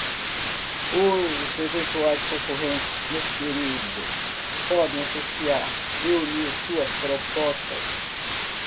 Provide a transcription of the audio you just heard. Os eventuais concorrentes, nesse período, podem associar e unir suas propostas.